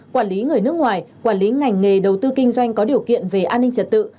quản lý người nước ngoài quản lý ngành nghề đầu tư kinh doanh có điều kiện về an ninh trật tự